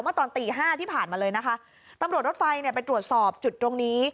ตอนตีห้าที่ผ่านมาเลยนะคะตำรวจรถไฟเนี่ยไปตรวจสอบจุดตรงนี้